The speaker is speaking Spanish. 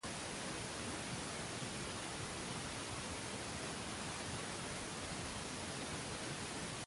Durante el resto de su carrera, Bergman continuó ayudando a Chaplin, trabajando como asistente.